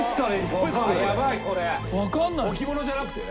置物じゃなくて？